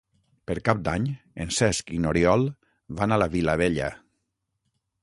Per Cap d'Any en Cesc i n'Oriol van a la Vilavella.